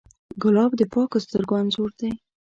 ګلاب د پاکو سترګو انځور دی.